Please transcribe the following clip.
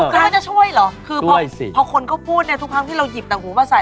ก็จะช่วยเหรอช่วยสิคือพอคนก็พูดเนี้ยทุกครั้งที่เราหยิบตังหูมาใส่